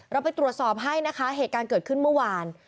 เราไปตรวจสอบให้นะคะเหตุการณ์เกิดขึ้นเมื่อวาน